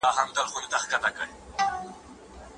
نرکس ټينګار کوي چې اقتصادي وده په مهارت پوري اړه لري.